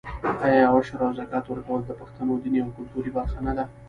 آیا عشر او زکات ورکول د پښتنو دیني او کلتوري برخه نه ده؟